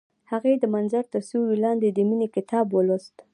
هغې د منظر تر سیوري لاندې د مینې کتاب ولوست.